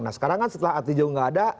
nah sekarang kan setelah arti jauh gak ada